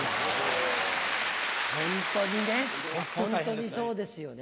ホントにねホントにそうですよね。